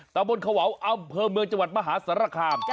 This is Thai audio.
ตามบนเขาวาวอัมเภอเมืองจังหวัดมหาศรษภาคาร์